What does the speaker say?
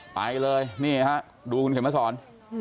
ไปเลยนี่ฮะดูคุณเขียนมาสอน